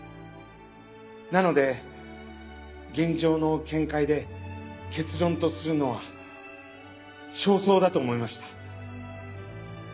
なので現状の見解で結論とするのは尚早だと思いました。